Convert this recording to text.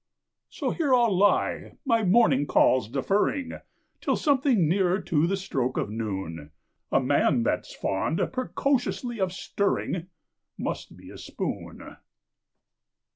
So here I'll lie, my morning calls deferring, Till something nearer to the stroke of noon; A man that's fond precociously of stirring, Must be a spoon.